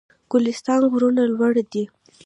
د ګلستان غرونه لوړ دي